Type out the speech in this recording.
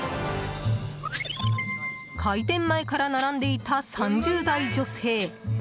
開店前から並んでいた３０代女性。